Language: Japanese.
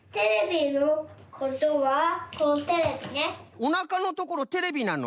おなかのところテレビなの？